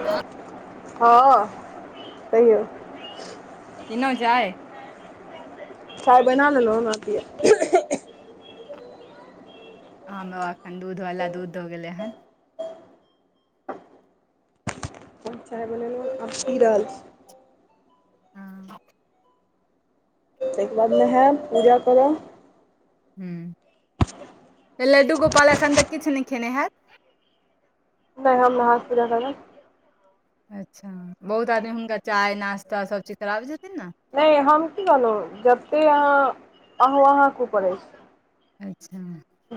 हँ हँ कहियौ पिनौ जाइ चाय बना लेलौ ओना पियब हामो एखन दूधवला दूध द गेलै हन [unintelligible] चाइ बनेलौ आब पी रहल छी हँ ताईके बाद नहाएब पूजा करब हूं लड्डू गोपालाल एखन तक किछु नै खेने हेएत नै हम नहा क पुजा करब अच्छा बहुत आदमी हुनका चाय नास्ता सबचीज कराबै छथिन न नै हम की कहलौ जते अहाँ आहु अहाँ के उपर अछी अच्छा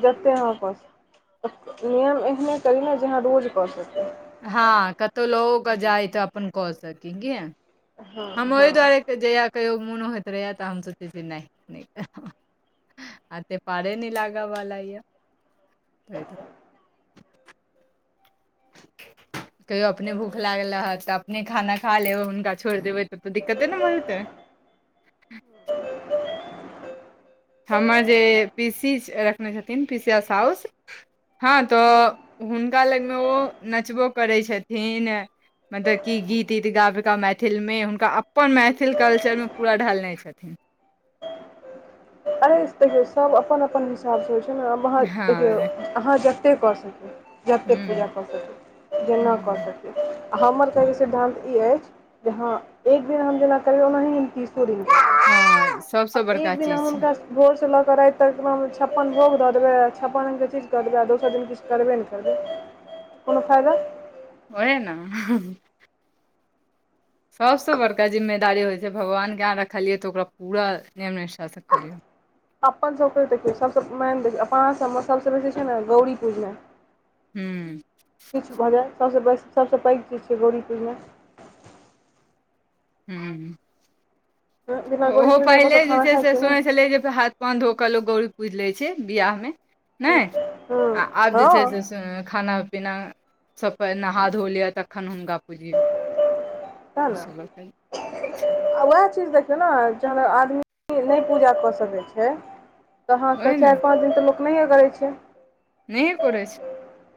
जते अहाँ कऽ स नियम एहने करी न जे अहाँ रोज कऽ सकि हँ कतहु लवो क जाइ तऽ अपन कऽ सकी की हँ हम ओहि हँ दुआरे जयहिया कहियो मुनो होत रहया तऽ हम सोच छी नै नै ले आते पाड़े नै लागै वाला यै कहियो अपने भूख लागल रहत तऽ अपने खाना खा लेब हुनका छोड़ि देबै तब त दिकक्ते नै भजेतै [inaudible] हमर जे पी सी रखने छथिन पीसीया साउस हँ तऽ हुनका लग मे ओ नचबो करै छथिन मतब की गीत ईीत गाब कऽ मैथिलमे हुनका अप अपन मैथिल कल्चरमे पूरा ढालने छथिन अरे तै सब अपन अपन हिसाब सँ होइ छै न अहाँ देखियौ हँ अहाँ जते कऽ सकी जतेक पूजा हूँ कऽ सकी जेना कऽ हूँ सकी आ हमर कहैै सिद्धानंत ई अछि जे हँ एक दिन हम जेना कहियो ओनाहि हम कि छोड़ि हँ [unintelligible] सभसँ आब बड़का एक दिन ला चीज छै हम भोर स लऽ क राति तक छप्पन भोग द देबै छप्पन रंग के चीज कऽ देबै आ दोसर दिन किछ करबे नै करबै कोनो फायदा ओहे न सबसँ बड़का जिम्मेदारी होइ छै भगवान के अहाँ रखलियै तऽ ओकरा पूरा नियम निष्ठा सँ करियौ अपन सब के देखियौ सब सँ मेन देखौयो अपना सब मे सबसँ बेसी छै ने गौरी पूजनाइ हूँ किछु भऽ जाय सब सँ सब सबसँ पैघ कीछै गौरी पूजनाय हूँ बिना गौरी ओहो पूजने अपन पहिले सभ जे खाना छै खाइ से छियै ने सुनै छलै जे हाथ पाँव धो कऽ लोक गौरी पूज लै छै बियाह मे हँ नहि आ हँ आब जे छै सएह से खाना पीना सभ से पहिले नहा धो लिय तखन हुनका पूजियो सेह नऽ [inaudible] आ उएह चीज देखियौ नऽ जहन आदमी नहि पूजा कऽ सकै छै तऽ अहाँके ने चारि पाँच दिन तऽ लोक नहिए करै छै नहि करे छै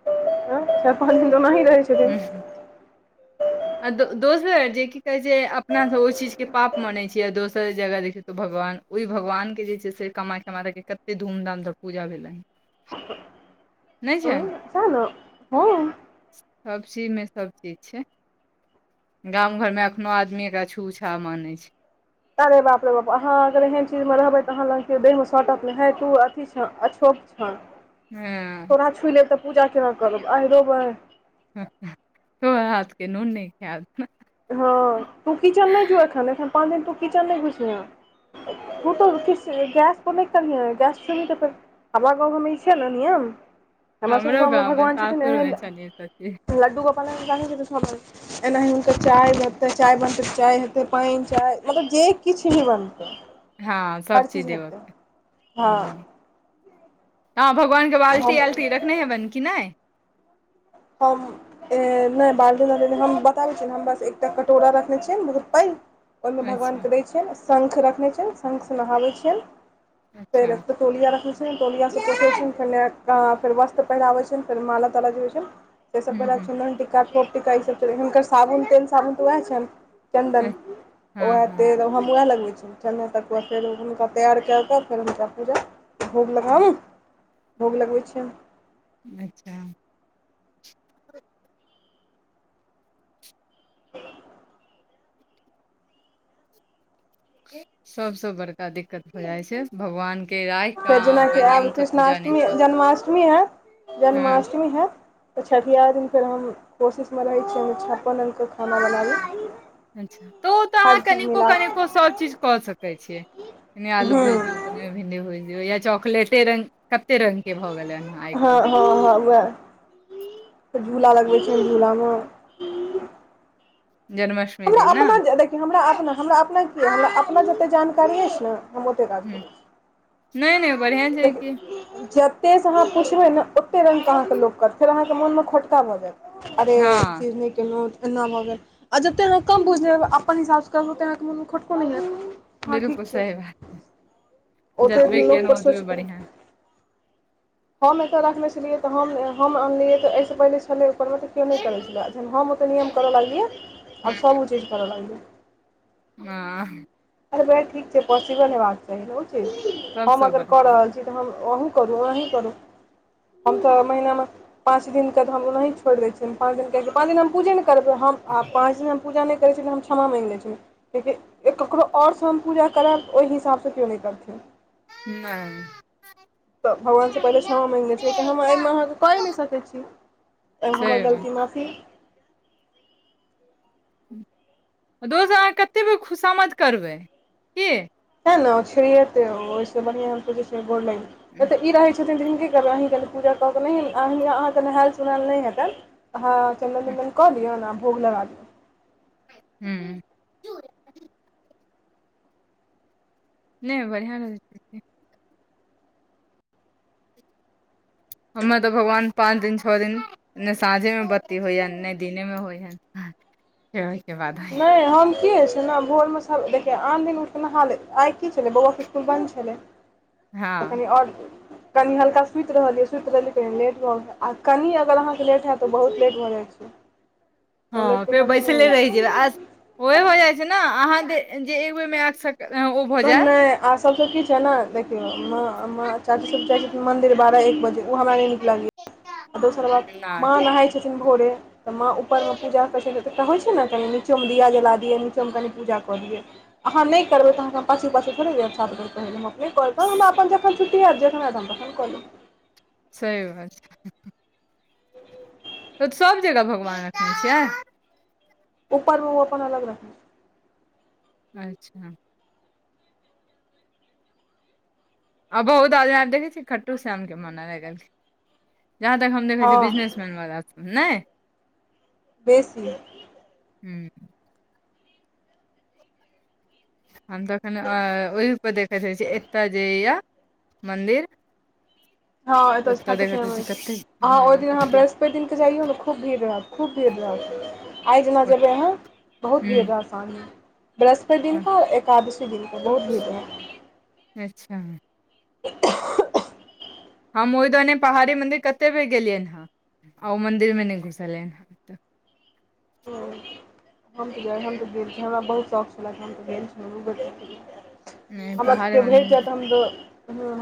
ह तऽ चाईर पांच दिन त ओनाही रहे छै हूं आ द दोसर जे की कहै छै अपनासँ ओहि चीज के पाप मानैत छैै दोसर जगह देखियौ तऽ भगवान ओहि भगवान के जे छै से कमााय क हमके कतेक धूमधाम सँ पूजा भेलनि नय छै सेह नऽ [unintelligible] सब चीज मऽ सब चीज छैय गामं घर में एखनो आदमी एकरा छू छा मानय छै अरे बाप रे बाप अहाँ अगर एहन चीज मऽ रहबै तऽ अहाँ लंग के देहमे शटत नहि है तू अथी छ अछो अच्छा हँ तोरा छु लेब तऽ पूजा केना करब आहैंरौ बैह तोरा हाथ कऽ नून नहि खायब हँ तू किचन नय जो एखन अखन पाँच दिन तू किचन नहि घुसयह ओ तो किछ गैस [unintelligible] नहि गैस छूबिही तऽ फेर हमरा गाँव घर मे ई छै नऽ नियम हमरा सब के हमरो गांव में गाँव मे भगवान छथिन सासुर ने मे छनि सब चीज [unintelligible] लड्डू गोपाल एना [unintelligible] तऽ चाय बनतै चाय बनतै तऽ चाय हेतै पानि चाय मतलब जे किछु भी बनतै हँ सभ हर चीज देबे हेतै कऽ हँ हू आहँ भगवान कऽ बाल्टी हम आल्टी रखने हेबन की नय हम नहि बालटी अल्टी हम बताबै छियै ने हम बस एकटा कटोरा रखने छियै बहुत पैघ ओहिमे भगवान अच्छा के दै छियनि शङ्ख रखने छियनि शङ्ख सँ नहाबै छियनि अच्छा फैर तोलिया रखैत छियनि टोलियाँ पोैछे छियनि फेर नाइका फेर वस्त्र पहिराबैत छियनि फेर माला ताला जे होइत छनि से सभ हूँ पहिराबैन हूँ छीएन ननटीका फोट टीका ईसभ चलै छै हुनकर सबुन तेल साबुन तऽ उएह छनि चन्दन हँ वएह हँ तेल हम वएह लगबै छी [unintelligible] तक फेर हुनका तैयार कए कऽ फेर हुनका पूजा भोग लगाऊ भोग लगबै छिएन अच्छा सबसे बड़का दिक्कत हो जाइ छै भगवान के राखि कऽ फेर अहाँ जेनाकि ओकरा आब नियमसँ पूजा नहि कृष्णाष्टमी कऽ जन्माष्टमी हए हँ जन्माष्टमी है। तऽ छठिियार दिन फेर हम कोशिशमे रहै छीै हममे छप्पन रङ्गके खाना बनाबी। अच्छा तऽ ओ तऽ अहाँ हर चीज कनिको मिला कनिको सब चीज कऽ सकै छियैने आलू हूँ भेजू भिंडी भूज दियो या चॉकलेट रंग कते रंग के भए गेले हँ हँ हँ उह झूला लगबे छैन झूला मऽ जन्माष्टमी हमरा दिन ने अपना देखियौ हमरा अपना हमरा अपना की हमरा अपना जते जानकारी अछि नऽ हम ओतेक काज हूँ करै छी। नहि नहि बढ़िआँ छै आइ कि जे जतेसँ अहाँ पुछबै ने ओते रङ्केहके लोकत फेर अहाँके मनमे खोटक भ जायत। अरे ई हँ चीज नहि कनो तऽ एना भगेल जते आहाँ कम बुझाल अपन हिसाब स करू त मोन खोटको नहि हैत हँ ठीक बिलकुल छै सही बात औतै जतबे लोक पर केलहुँ सोइच ओतबे के, बढ़िआँ हम एतऽ रखने छलियै तऽ हम हम अनलियै तऽ एहिसँ पहिले छलै करबै तऽ केओ नहि करै छलै आ जहन हम ओतेक नियम करय लगलियै आब सभ ओ चीज करय लगलियै [unintelligible] अरे ठीक छै पॉसिबल होबाक चाही नऽ उ चीज हम सबसँ अगर कऽ बढ़िआँ रहल छी त हम अहूँ करू अहीँ करू हम तऽ महीना मऽ पाँच दिन के तऽ हम ओनहिये छोड़ि दय छियै पाँच दिन क पाँच दिन हम पूजे ने, कि करबै हम आ पाँच दिन हम पूजा नहि करै छलियै हम क्षमा माँगि लय छलियै। लेकिन ककरो आओरसँ हम पूजा करैरब ओहि हिसाबसँ केओ नहि करथिन। तऽ भगवानसँ नहि पहिले क्षमा मंगै ले छी हम, एहिमे अहाँके कये नहि सकैत छी हमर सही बात गलती माफी। दोसर कऽ अहाँ कतेक बेर खुशामद करबै की इहै ने छिरियेतै ओहिसे बढ़िया गोर लगै हुँ छी। ई रहै छै, छथिन तऽ हिनकर आब अहीँ कनि पूजा कऽ केऽ नहि अऽ अहाँके नहायए सोनाएल नहि हेतनि अहाँ चन्दन चन्दन कऽ लियौन आ भोग लगा ली हू नहि बढ़िआँ रहते हमरा ओते भगवान पाँंच दिन छअ दिन ने साँझे में बत्ती होइये ने दिने में होइये ओहिके बाद होइया नहि हम की छ ने भोर मे सब देखिय आन दिन उठ नहा लियै आइ की छलै बौआ, स्कुल बन्द छलै तऽ हँ कनि आओर कनि हल्का सुति रहलियै सुति रहलियै त कनि लेट भऽ गेल आ कनि अगर अहाँके लेट हैत तऽ बहुत लेट भऽ जाइ छै। तऽ हँ लेटके फेर कमी नहि बैसले होइ रहि छै जायबे आ ओहे होए जाइ छै नऽ अहाँ जे एक बेर मे आ सक [unintelligible] आर सब किछै ने देखियोम म म चाची सब चाहे छथिन मंदिर बारह एक बजे ओ हमरा नै नीक लागैय। आ दोसर बात नहि माँ नहाय छथिन भोरे तऽ माँ ऊपर मे पूजा करै छथिन एकटा होइ छै नऽ कनि नीचो मे दिया जला दियै नीचो मे कनि पूजा कऽ दियै। अहाँ नहि करबै तऽ अहाँके पाछू-पाछू थोड़े जैत सात बेर कहैले। नहि केलैन तऽ हमरा अपन जखन छुट्टी हैत तखन कलेब सही बात छय [unintelligible] ओऽ सभ जगह भगवान रखने छियै उपरमे ओ अपन अलग रखने अच्छा आ बहुत आदमी आ के देखै छी खाटू शामके मानऽ लगेलखिन जहाँ तक हम देखै छियै हँ बिजनेसमैनवला सभ नय। बेसीऐ हू हम तऽखन ओहिपर देखैत रह छी एतय जे या मदिर हाँ एता त खाटू श्याम अछि कतेक अहाँ ओ हँ दिन अहाँ कतेक बृहस्पति दिनकँ जइयौ न खूब भीड़ रहत खूब भीड़ रहत आइ जना हूँ जेबै आहाँ बहुत भीड़ रहत। [unintelligible] बृहस्पति दिनक एकादशी दिनक तक बहुत भीड़ रहत। अच्छा हम ओयदने पहाड़ी मंदिर कते बेर गेलियैन हँ आ ओ मंदिर मे नई घुसलियेंन हे [unintelligible] हम तऽ हम तऽ गेल हमरा बहुत शौक छले हम तऽ गेल छलो नहि [unintelligible] हमरा पहाड़े केओ भेट जायत मन्दिर हम दो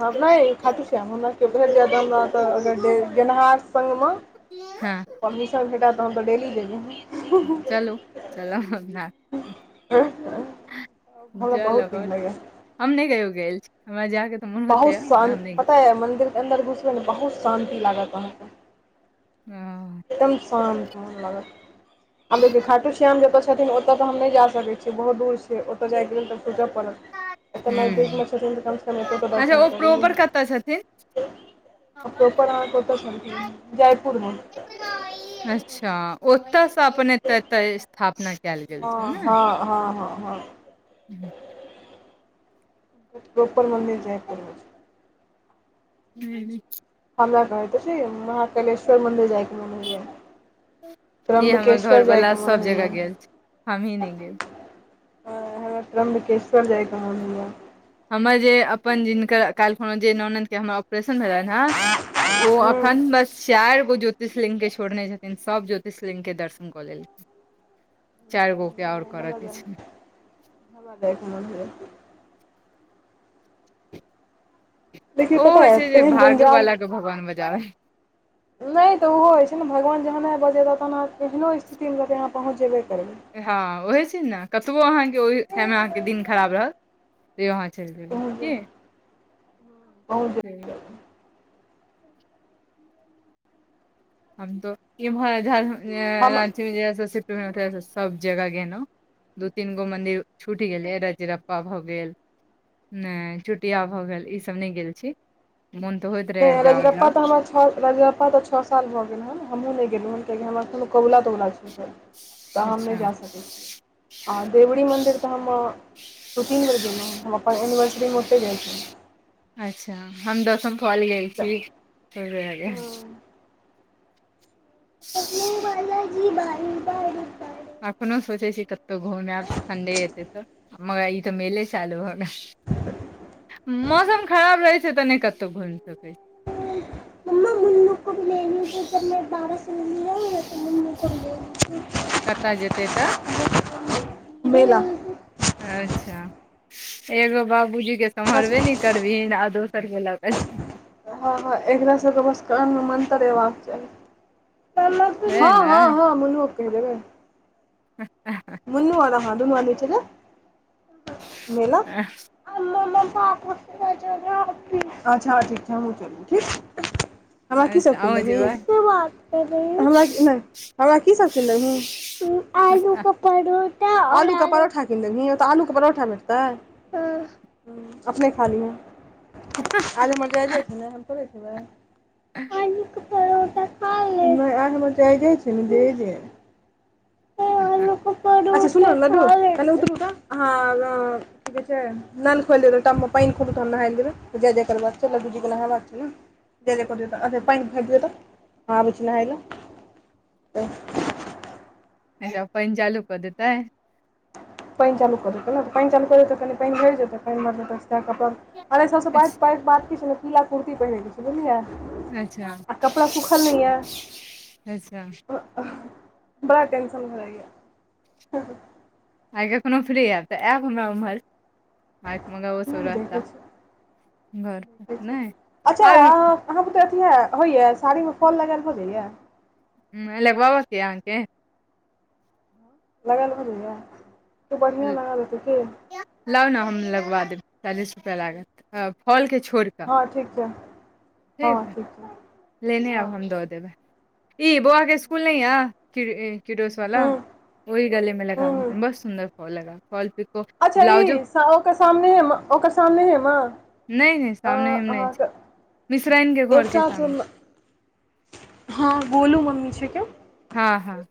हर नइ खाटू श्याम हमरा केओ भेट जाय त हमरा अगर गेनहार संग में [unintelligible] हँ परमिशन भेटय त हमसब डेली जैइबै चलू चलब हमरा [unintelligible] हमरा जाय बहुत नीक लगत लगैए हम नई कहियो गेल छी हमरा जाक बहुत शान्त पता यए मन्दिर के अन्दर घुसबै ने बहुत शान्ति लागत अहाँकेँ आ एकदम शान्त मान लगत आब देखेयौ खाटू श्याम जतऽ छथिन ओतऽ तऽ हम नइ जा सकै छियै बहुत दूर छैय ओतय जायके लेल तऽ सोचत पड़त [unintelligible] एत नजदीक हूँ में छथिन तऽ कम से कम ऐतो अच्छा ओ प्रोपर कतऽ छथिन [unintelligible] ओ प्रोपर अहाँक ओता छलखिन जयपुरमे [unintelligible] अच्छा ओतयसँ अपनने एतऽ स्थापना कयल गेल हँ हँ हँ हँ हँ हू [inaudible] प्रोपर मन्दिर जाय पड़े छय हूँ हमरा कहैत अछि महाकलेश्वर मन्दिर जाइके मन होइए ई हमर त्रयंबकेश्वर घर वाला जायके मन सब जगह होइए गेल छै हमही [unintelligible] हाँ नहि गेल हमरा त्रम्बकेश्वर जायके मन होइये हमर जे अपन जिनकर काल्हिखन जे नौनद के हमर ऑपरेशन भेलेन हँ ओ हूँ अखन बस चाइर गो ज्योतिष लिंग के छोड़ने छथिन सभ ज्योतिष लिंग के दर्शन कऽ लेलखिन चाइर गो [unintelligible] हमरा के छै जाय के मन होइये लेकिन ओ पता होइ है छै जे तेहन जंजाल भाग्यवाला के भगवान बचाबै नहि तऽ ओहो होइ छै ने भगवान जहन बजेता तहन अहाँ केहनो स्थितिमे रहबै अहाँ पहुँच जेबे करबै हँ ओहय चीज न कतबो अहाँके ओहि ठाम अहाँके दिन खराब रहत तैयो अहाँ चैल जेबय पहुँच के [unintelligible] पहुँच जेबय [inaudible] हूँ हम तो इम्हर झार हम रांची मे जहिया से सिफ्ट भेने तहियास सब जगह गेनो दू तीन गो मंदिर छूटि गेलै रजरप्पा भऽ गेल नय चुटिया भऽ गेल ईसभ नई गेल छी मन तऽ होइत रहै जाउ रजगप्पा जाउ तऽ हमर छ रजगप्पा तऽ छ साल भऽ गेल हँ हमहुँ नहि गेलहुँ हँ कियकि हमरा कोनो कबुला तबुला छै तऽ हम अच्छा नय जा सकै छीयै आ देवरी मन्दिर तऽ हम दू तीन बेर गेलहु हन अपन एनिवर्सरी मऽ ओतहि जाइ छी अच्छा हम दसम फ़ोल गेल छी च [unintelligible] [unintelligible] ई [unintelligible] एखनो सोचै छी कतहु घूम आयब सनडे एतै तऽ मगर ई तऽ मेले चालू भऽ गेल मौसम खराब रहय तऽ नहि कतहु घुम सकै मम्मा [unintelligible] कतय जेतै तऽ लीजिए बेला अच्छा एगो बाबूजीके बस सम्हरबे नय कर थिन आ दोसर कऽ ला कऽ हँ हँ एकरा सब के बस कान मऽ मन्तर एबाक चाही हँ है हँ ने हँ मनु आ के कहीं देबै [unintelligible] मुनु अ अहाँ दूनू अदमी चलब मेला [unintelligible] अच्छा अच्छा ठीक छै हमँ चलब ठीक हमरा कीसभ अच्छा कीन अहूँ देबही जेबै हमरा नय हमरा कीसभ कीन देबही [unintelligible] आलू कऽ परोठा किैन देबही ओतय आलू कऽ परोठा भटतै हू अपने खालिहे आज हमर जाइजे छै ने हम थोड़े खबै [unintelligible] [unintelligible] [unintelligible] चलु लाड्डु पहले उतरू तऽ अहा उ कि कहै छै नल खोलि दिअ त टब मे पइन खोलु त नहायल जेबै जय जय करबाक छै लाड्डू जी के नहबाक छै नऽ जय जय को दिय् तऽ अ पइन भरि देिय तऽ आबै छी नहाय ल त अच्छा पइन चालू कऽ देतैय पइन चालू कऽ देतय कनि पाइन भैर जेते आओर एहि सभसँ पैघ अच्छा पैघ बात की छलै कीा पीला कुर्ती पहिनै छल बझलििय अच्छा आ कपड़ा सुखल नहि यऽ अच्छा बड़ा टेंशन होइए जाय यऽ आइ कखनो फ्री हेब तऽ एब हमरा उम्हर आत मग ओ सरूा देखै छी घर देखै छी नहि अच्छा आ अहाँ बुतऽ अथी होइए साड़ीमे फाल लगाएल भऽ जाइयें ह लगबाबक किया नऽ हेतय लगा भय जाय येँ खूब बढ़िआँ लगाबे छिये कि लाउ नऽ हम लगवा देब चालीस रुपआ लागत फोल के छोड़िक हँ ठीक छै हँ ठीक छै लेने आब हँ हम दऽ देबै की बौआ के स्कुल नय किडोस वाला हूँ ओहि गली में हूँ हूँ लगाबी मस्त सुन्दर फोल लगा फोल पिको अच्छा ब्लाउजो ई ओकर सामने हे ओकर सामने हे मा नहि नहि सामने नहि छै मिश्राइनके घरके एकटा सामने से- हँ गोलू मम्मी के छै क्य हँ हँ